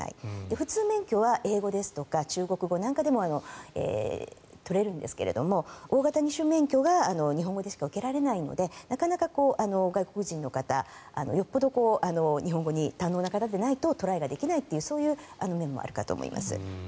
普通免許は英語ですとか中国語なんかでも取れるんですが大型二種免許が日本語でしか受けられないのでなかなか外国人の方よほど日本語が堪能な方でないとトライができないという面があるかと思います。